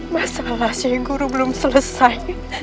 masalah ceng guru belum selesai